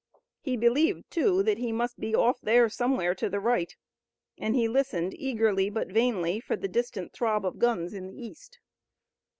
He believed, too, that he must be off there somewhere to the right, and he listened eagerly but vainly for the distant throb of guns in the east.